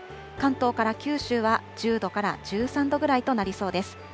関東から九州は、１０度から１３度ぐらいとなりそうです。